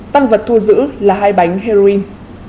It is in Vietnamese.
tăng vật thu giữ là hai bánh heroin